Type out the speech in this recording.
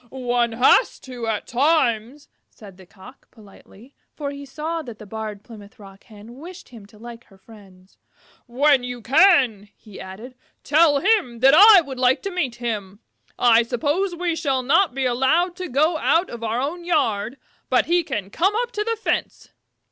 "One has to at times," said the Cock, politely, for he saw that the Barred Plymouth Rock Hen wished him to like her friends. "When you can," he added, "tell him that I would like to meet him. I suppose we shall not be allowed to go out of our own yard, but he can come up to the fence.